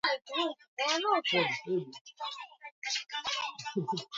sekta hii isiyo rasmi inamnyanyua kwa kiasi gani